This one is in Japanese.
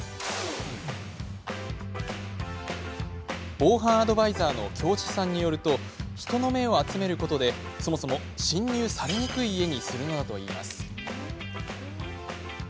防犯アドバイザーの京師さんによると人の目を集めることでそもそも侵入されにくい家にするのだといいます。